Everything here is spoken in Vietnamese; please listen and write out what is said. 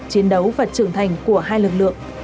chiến đấu và trưởng thành của hai lực lượng